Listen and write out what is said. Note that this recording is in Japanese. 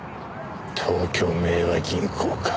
東京明和銀行か。